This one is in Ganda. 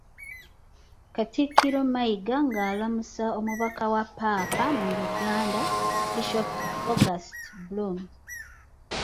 Katikkiro Mayiga nga alamusa omubaka wa Ppaapa mu Uganda, Bishop August Blume.